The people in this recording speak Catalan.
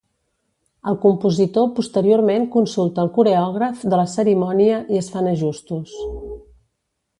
El compositor posteriorment consulta al coreògraf de la cerimònia i es fan ajustos.